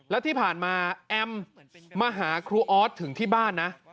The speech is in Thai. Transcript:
แล้วที่ผ่านมาแอมมาหาครูออสถึงที่บ้านนะ